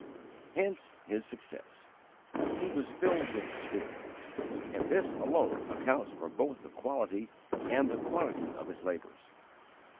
_ Hence his success; he was filled with the Spirit: and this alone accounts both for the quality and the quantity of his labours.